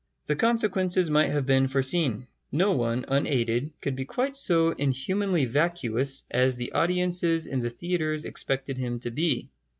The consequences might have been foreseen. No one unaided, could be quite so inhumanly vacuous as the audiences in the theatres expected him to be.